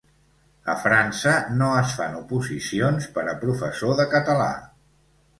A França no es fan oposicions per a professor de català